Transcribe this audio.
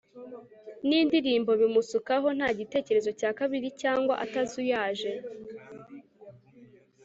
nindirimbo bimusukaho nta gitekerezo cya kabiri cyangwa atazuyaje